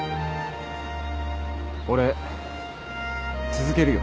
俺続けるよ。